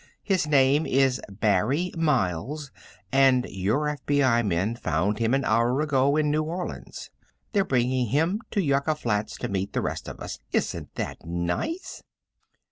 "His name is Barry Miles, and your FBI men found him an hour ago in New Orleans. They're bringing him to Yucca Flats to meet the rest of us; isn't that nice?"